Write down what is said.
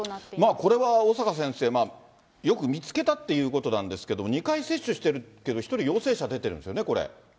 これは、小坂先生、よく見つけたっていうことなんですけど、２回接種してるけど、１人陽性者出てるんですよね、これ。